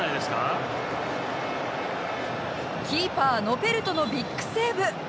キーパー、ノペルトがビッグセーブ！